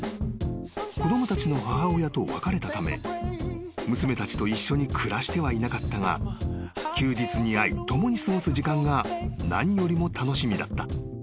［子供たちの母親と別れたため娘たちと一緒に暮らしてはいなかったが休日に会い共に過ごす時間が何よりも楽しみだった］